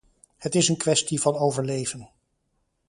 Het is een kwestie van overleven.